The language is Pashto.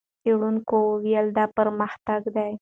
څېړونکو وویل، دا پرمختګ دی.